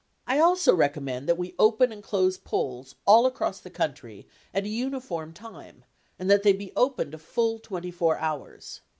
I also recommend that we open and close polls all across the country at a uniform time and that they be opened a full 24 hours.